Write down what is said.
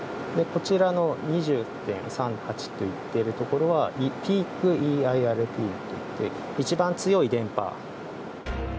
こちらの２０．３８といってるところはＰｅａｋＥＩＲＰと言っていちばん強い電波。